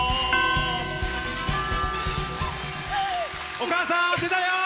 お母さん、出たよ！